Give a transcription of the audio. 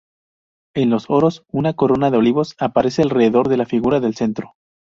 En los oros, una corona de olivos aparece alrededor de la figura del centro.